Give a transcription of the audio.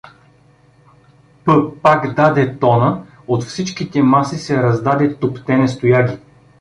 П… пак даде тона, от всичките маси се раздаде туптене с тояги.